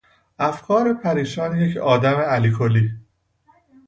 افکار پریشان یک آدم الکلی